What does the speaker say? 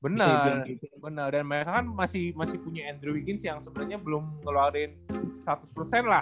bener bener dan mereka kan masih punya andrew wiggins yang sebenernya belum ngeluarin seratus lah